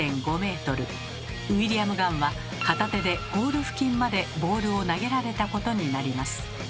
ウィリアム・ガンは片手でゴール付近までボールを投げられたことになります。